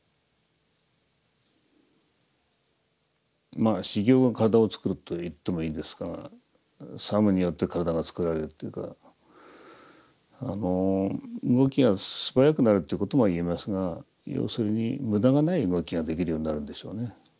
まあ修行が体をつくると言ってもいいですが作務によって体がつくられるというか動きが素早くなるということも言えますが要するに無駄がない動きができるようになるんでしょうね。